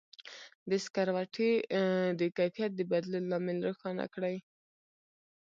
د سکروټي د کیفیت د بدلون لامل روښانه کړئ.